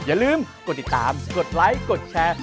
อย่าลืมกดติดตามกดไลค์กดแชร์